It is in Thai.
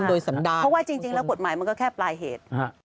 เพราะว่ากฎหมายมันก็แค่ปลายเหตุ